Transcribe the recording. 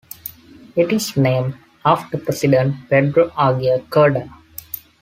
It is named after President Pedro Aguirre Cerda.